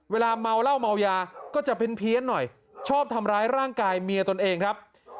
เวลาเมาเหล้าเมายาก็จะเพี้ยนหน่อยชอบทำร้ายร่างกายเมียตนเองครับ